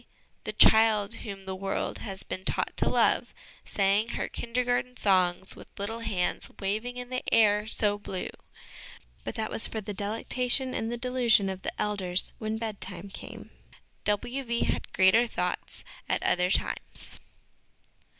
the child whom the world has been taught to love, sang her Kindergarten songs with little hands waving in the ' air so blue '! but that was for the delectation and delusion of the elders when bedtime came. ' \V. V. ' had greater thoughts at other times.